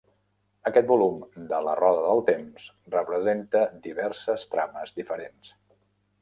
Aquest volum de "La roda del temps" representa diverses trames diferents.